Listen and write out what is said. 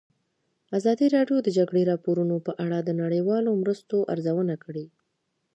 ازادي راډیو د د جګړې راپورونه په اړه د نړیوالو مرستو ارزونه کړې.